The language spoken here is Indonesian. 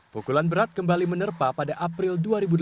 pukulan berat kembali menerpa pada april dua ribu delapan belas